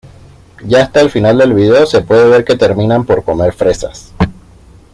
Ya hasta el final del video se puede ver que terminan por comer fresas.